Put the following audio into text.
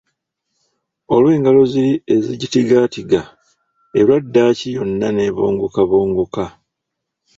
Olw'engalo ziri ezigitigaatiga, erwa ddaaki yonna nebongokabongoka.